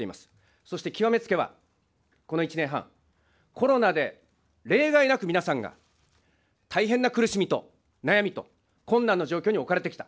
そして極めつけはこの１年半、コロナで例外なく皆さんが大変な苦しみと悩みと困難な状況に置かれてきた。